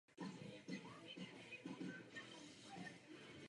Žádný lyžař v předchozí olympijské historii nevyhrál sjezd dvakrát.